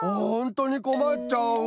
ほんとにこまっちゃう！